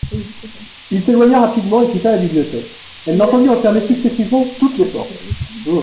Il s'éloigna rapidement et quitta la bibliothèque ; elle l'entendit refermer successivement toutes les portes.